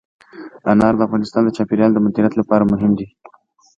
انار د افغانستان د چاپیریال د مدیریت لپاره مهم دي.